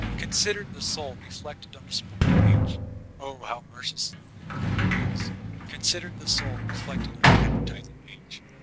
Consider the soul reflected on the sporting page. (Xi, how mercilessly correct it isl Consider the soul re flected on the advertising page.